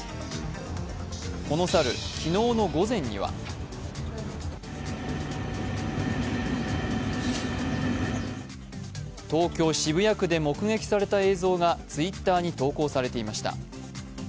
この猿、昨日の午前には東京・渋谷区で目撃された映像がＴｗｉｔｔｅｒに投稿されていました。